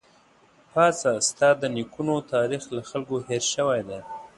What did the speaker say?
پاڅه ! ستا د نيکونو تاريخ له خلکو هېر شوی دی